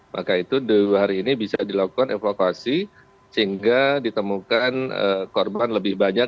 maka itu dua hari ini bisa dilakukan evakuasi sehingga ditemukan korban lebih banyak